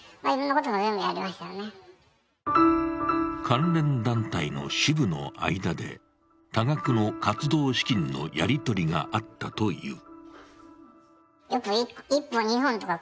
関連団体の支部の間で多額の活動資金のやりとりがあったという。